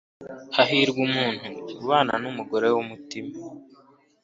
hahirwa umuntu ubana n'umugore w'umutima